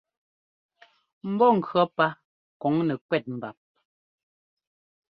Mbɔ́ŋkʉ̈ɔ́ pá kɔŋ nɛkwɛ́t mbap.